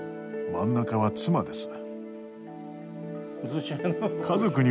真ん中は妻です。